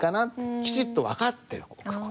きちっと分かっておく事